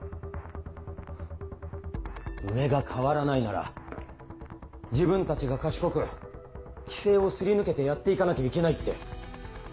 上が変わらないなら自分たちが賢く規制をすり抜けてやって行かなきゃいけないって。